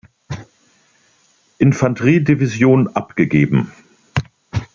Infanterie-Division abgegeben.